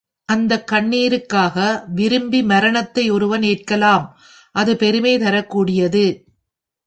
அந்தக் கண்ணிருக்காக விரும்பி மரணத்தை ஒருவன் ஏற்கலாம் அது பெருமை தரக்கூடியது.